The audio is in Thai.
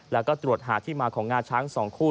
แล้วก็ตรวจหาที่มาของงาช้าง๒คู่